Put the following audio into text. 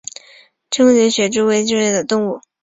穿孔瘤胸蛛为皿蛛科瘤胸蛛属的动物。